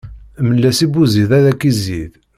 Mel-as i buzid ad ak-izid.